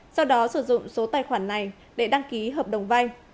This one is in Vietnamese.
sau đó sử dụng số tài khoản này để đăng ký hợp đồng vay